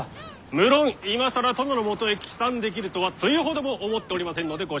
無論今更殿のもとへ帰参できるとはつゆほども思っておりませんのでご心配なく。